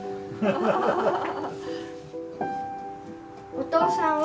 お父さんは。